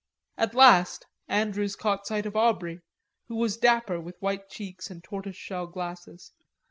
At last Andrews caught sight of Aubrey, who was dapper with white cheeks and tortoise shell glasses.